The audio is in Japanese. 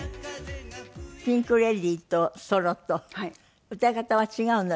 ピンク・レディーとソロと歌い方は違うの？